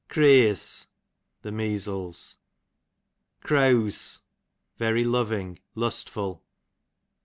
Creeas, the measles. Creawse, very loving, lustful.